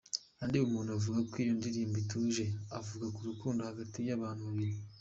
Andy Bumuntu avuga ko iyo ndirimbo ituje, ivuga ku rukundo hagati y’abantu babiri.